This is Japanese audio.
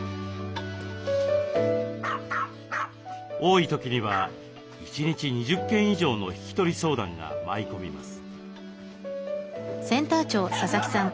多い時には一日２０件以上の引き取り相談が舞い込みます。